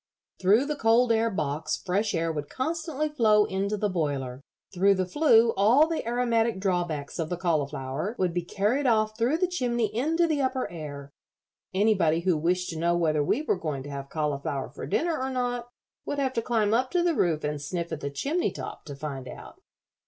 Through the cold air box fresh air would constantly flow into the boiler. Through the flue all the aromatic drawbacks of the cauliflower would be carried off through the chimney into the upper air. Anybody who wished to know whether we were going to have cauliflower for dinner or not would have to climb up to the roof and sniff at the chimney top to find out."